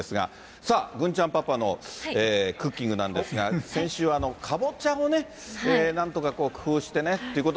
さあ、郡ちゃんパパのクッキングなんですが、先週、かぼちゃをね、なんとかこう、工夫してねということ。